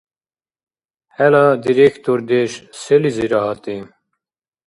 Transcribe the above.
ХӀела директордеш селизира гьатӀи?